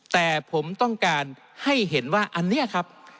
แต่ผมต้องการให้เห็นว่าอันนี้ครับ